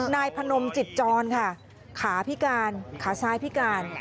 นายพนมจิตจรค่ะขาพิการขาซ้ายพิการ